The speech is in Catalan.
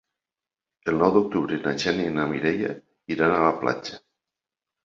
El nou d'octubre na Xènia i na Mireia iran a la platja.